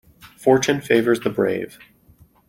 Fortune favours the brave.